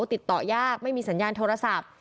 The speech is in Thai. ติดต่อยากไม่มีสัญญาณโทรศัพท์